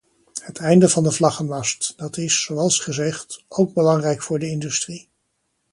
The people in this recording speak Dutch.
Het einde van de vlaggenmast, dat is, zoals gezegd, ook belangrijk voor de industrie.